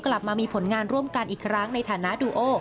กลับมามีผลงานร่วมกันอีกครั้งในฐานะดูโอ